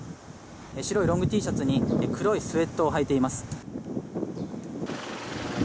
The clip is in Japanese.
白いロングＴシャツに黒いスウェットをはいています。